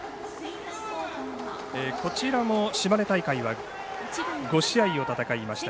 こちらも、島根大会は５試合を戦いました。